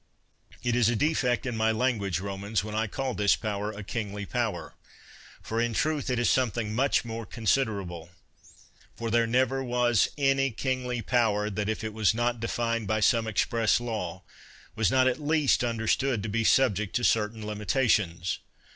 It is a defect in my language, Romans, when I call this power a kingly power. For in truth, it is something much more considerable; for there never was any kingly power that, if it was not defined by some express law, was not at least understood to be subject to certain limitations.